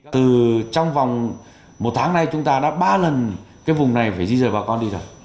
từ trong vòng một tháng nay chúng ta đã ba lần cái vùng này phải di rời bà con đi rồi